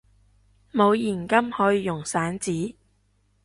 冇現金可以用散紙！